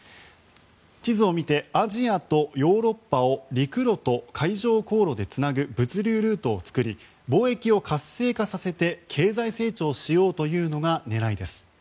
地図を見てアジアとヨーロッパを陸路と海上航路でつなぐ物流ルートを作り貿易を活性化させて経済成長しようというのが狙いです。